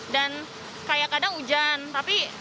dan kayak kadang hujan tapi